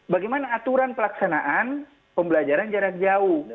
bagaimana aturan pelaksanaan pembelajaran jarak jauh